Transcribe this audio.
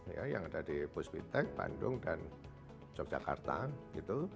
ya yang ada di puspitek bandung dan yogyakarta gitu